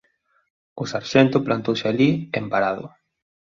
O sarxento plantouse alí, envarado.